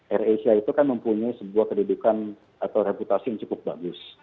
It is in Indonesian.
air asia itu kan mempunyai sebuah kedudukan atau reputasi yang cukup bagus